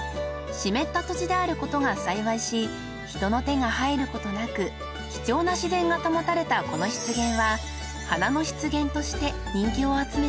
［湿った土地であることが幸いし人の手が入ることなく貴重な自然が保たれたこの湿原は花の湿原として人気を集めています］